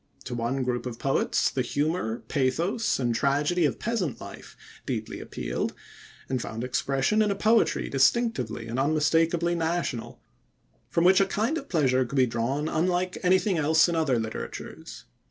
To one group of poets the humor, pathos, and tragedy of peasant life deeply appealed, and found expression in a poetry distinctively and unmistakably national, from which a kind of pleasure could be drawn unlike anything else in other literatures.